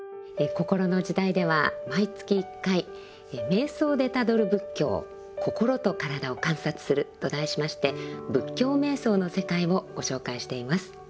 「こころの時代」では毎月１回「瞑想でたどる仏教心と身体を観察する」と題しまして仏教瞑想の世界をご紹介しています。